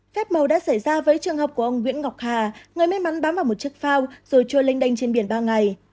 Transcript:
phép màu đã xảy ra với trường hợp của ông nguyễn ngọc hà người may mắn bám vào một chiếc phao rồi trôi lênh đênh trên biển ba ngày